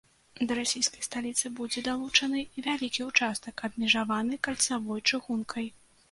Да расійскай сталіцы будзе далучаны вялікі ўчастак, абмежаваны кальцавой чыгункай.